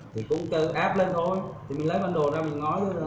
thì cũng cho app lên thôi thì mình lấy bản đồ ra mình nói